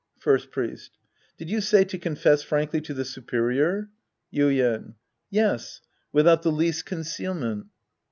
First Priest. Did you say to confess frankly to the superior ? Yuien. Yes. Without the least concealment.